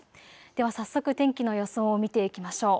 では早速、天気の予想を見ていきましょう。